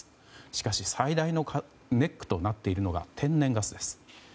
しかし、最大のネックとなっているのが、天然ガスです。